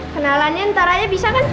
kenalannya ntaranya bisa kan